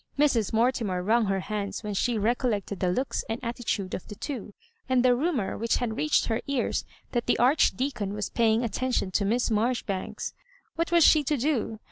Mrs. Mortimer wrung her hands when she recollected the looks and at titude of the two, and the rumour which had reached her ears that the Archdeacon was paying attention to Miss Marjoribanks. What was she to do